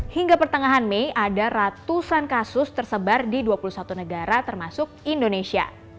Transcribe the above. hingga pertengahan mei ada ratusan kasus tersebar di dua puluh satu negara termasuk indonesia